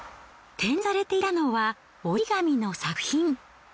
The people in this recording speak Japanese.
展示されていたのは折り紙の作品。